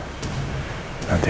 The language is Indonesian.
jaga kesehatan kamu